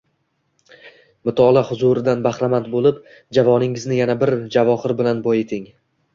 Mutolaa huzuridan bahramand bo`lib, javoningizni yana bir javohir bilan boyiting